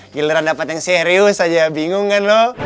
gileran dapet yang serius aja bingung kan lo